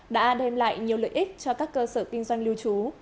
đã đem lại nhiều lợi ích cho các cơ sở kinh doanh lưu trú